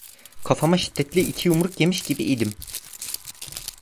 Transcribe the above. Kafama şiddetli iki yumruk yemiş gibi idim.